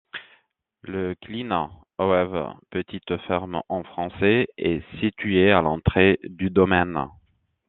La Klyn Hoeve, petite ferme en français, est situé à l'entrée du domaine.